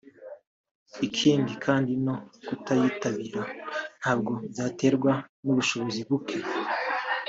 ikindi kandi no kutayitabira ntabwo byaterwaga n’ubushobozi buke